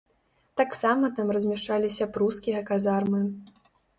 Таксама там размяшчаліся прускія казармы.